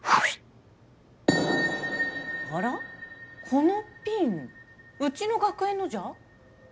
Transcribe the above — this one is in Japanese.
このピンうちの学園のじゃ。